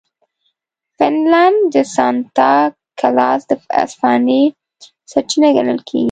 فنلنډ د سانتا کلاز د افسانې سرچینه ګڼل کیږي.